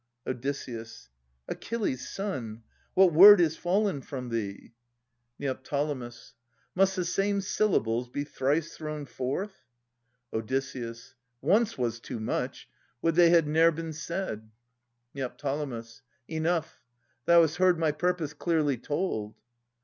Od. Achilles' son ! What word is fallen from thee ? 1238 1260] Philodetes 311 Neo. Must the same syllables be thrice thrown forth ? Od. Once was too much. Would they had ne'er been said ! Neo. Enough. Thou hast heard my purpose clearly told.